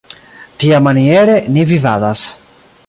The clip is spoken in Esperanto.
Tiamaniere ni vivadas.